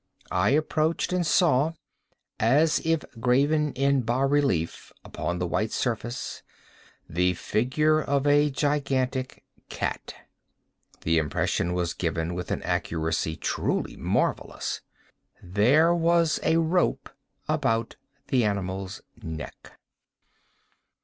I approached and saw, as if graven in bas relief upon the white surface, the figure of a gigantic cat. The impression was given with an accuracy truly marvellous. There was a rope about the animal's neck.